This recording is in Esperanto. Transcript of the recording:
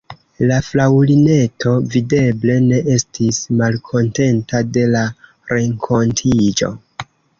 La fraŭlineto videble ne estis malkontenta de la renkontiĝo.